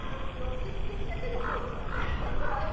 ケチケチやけど小粋なんですよ。